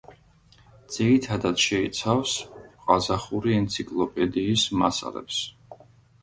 ძირითადად შეიცავს ყაზახური ენციკლოპედიის მასალებს.